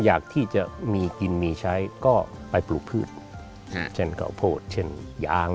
อยากที่จะมีกินมีใช้ก็ไปปลูกพืชเช่นเก่าโพดเช่นยาง